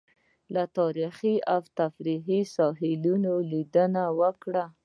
له تاريخي او تفريحي ساحو لېدنه وکړه.